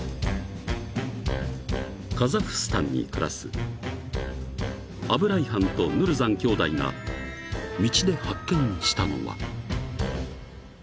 ［カザフスタンに暮らすアブライハンとヌルザン兄弟が道で発見したのは］